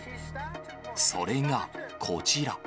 それがこちら。